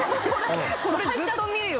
これずっと見るよね